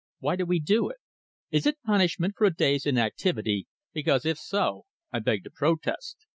Why do we do it? Is it my punishment for a day's inactivity, because if so, I beg to protest.